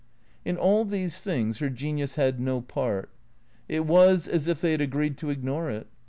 In all these things her genius had no part. It was as if they had agreed to ignore it.